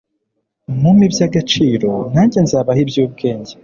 mumpe ibya gaciro nange nzabaha ibyu bwenge